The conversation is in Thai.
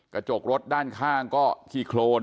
กระจกรถด้านข้างก็ขี้โครน